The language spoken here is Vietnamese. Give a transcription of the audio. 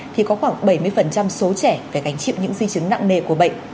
thì có khoảng bảy mươi số trẻ phải gánh chịu những di chứng nặng nề của bệnh